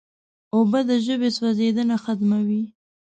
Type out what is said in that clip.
اوبه د ژبې سوځیدنه ختموي.